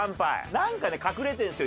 なんかね隠れてるんですよ